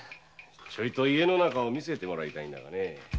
ちょいと家の中を見せてもらいたいんだがね。